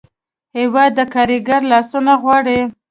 هېواد د کارګر لاسونه غواړي.